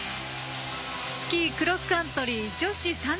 スキー・クロスカントリー女子３０ｋｍ